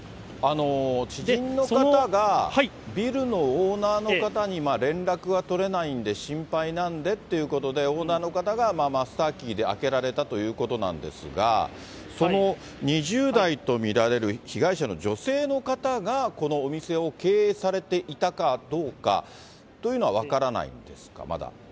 知人の方がビルのオーナーの方に連絡が取れないんで心配なんでっていうことで、オーナーの方がマスターキーで開けられたということなんですが、その２０代と見られる被害者の女性の方がこのお店を経営されていたかどうかというのは分からないんですか、まだ。